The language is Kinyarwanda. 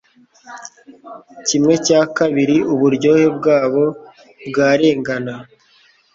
Kimwe cya kabiri uburyohe bwabo bwarengana